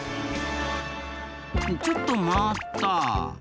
ちょっと待った。